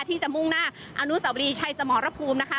ที่จะมุ่งหน้าอนุสวรีชัยสมรภูมินะคะ